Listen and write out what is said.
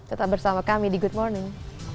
tetap bersama kami di good morning